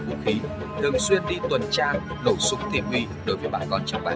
vũ khí thường xuyên đi tuần trang nổ súng tìm hủy đối với bà con cho bạn